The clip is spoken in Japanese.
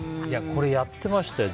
これ、やってましたよ。